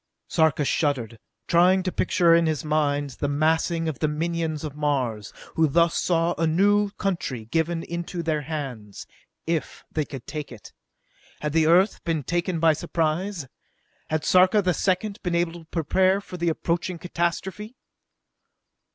Sarka shuddered, trying to picture in his mind the massing of the minions of Mars, who thus saw a new country given into their hands if they could take it. Had the Earth been taken by surprise? Had Sarka the Second been able to prepare for the approaching catastrophe?